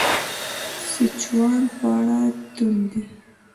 سیچوان خواړه توند دي.